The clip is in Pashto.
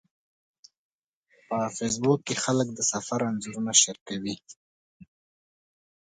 په فېسبوک کې خلک د سفر انځورونه شریکوي